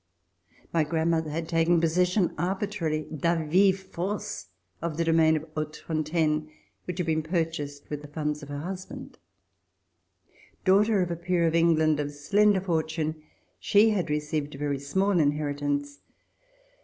My grandmother had taken possession arbi trarily {de vive force) of the domain of Hautefontaine, which had been purchased with the funds of her husband. Daughter of a Peer of England of slender fortune, she had received a very small inheritance.